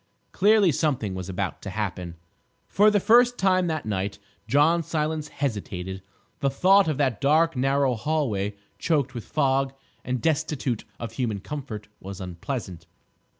Clearly, something was about to happen. For the first time that night John Silence hesitated; the thought of that dark narrow hall way, choked with fog, and destitute of human comfort, was unpleasant.